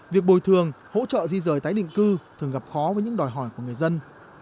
việc bồi thường hỗ trợ di rời tái định cư thường gặp khó với những đòi hỏi của người dân